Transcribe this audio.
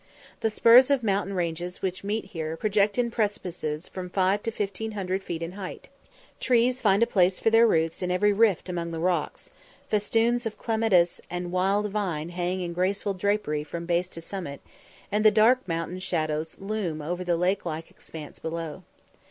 The spurs of mountain ranges which meet here project in precipices from five to fifteen hundred feet in height; trees find a place for their roots in every rift among the rocks; festoons of clematis and wild vine hang in graceful drapery from base to summit, and the dark mountain shadows loom over the lake like expanse below.